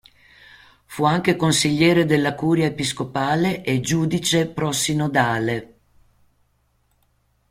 Fu anche consigliere della curia episcopale e giudice pro-sinodale.